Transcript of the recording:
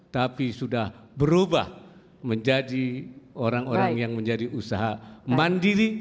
tapi sudah berubah menjadi orang orang yang menjadi usaha mandiri